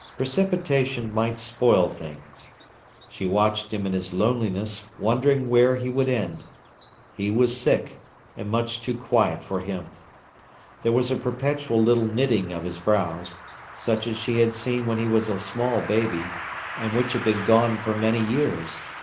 Precipitation might spoil things. She watched him in his loneliness, wondering where he would end. He was sick, and much too quiet for him. There was a perpetual little knitting of his brows, such as she had seen when he was a small baby, and which had been gone for many years.